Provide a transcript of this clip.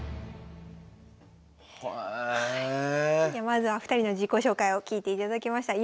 まずは２人の自己紹介を聞いていただきました。